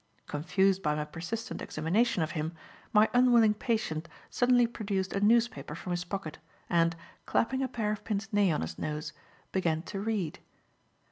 Confused by my persistent examination of him, my unwilling patient suddenly produced a newspaper from his pocket and, clapping a pair of pince nez on his nose, began to read.